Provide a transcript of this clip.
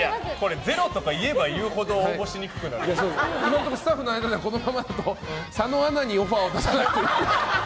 ゼロとか言えば言うほど今のところ、スタッフの間ではこのままだと佐野アナにオファーを出さないと。